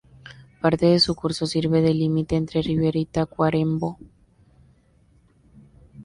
Parte de su curso sirve de límite entre Rivera y Tacuarembó.